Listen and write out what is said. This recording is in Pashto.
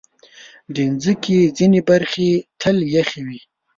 د مځکې ځینې برخې تل یخې وي.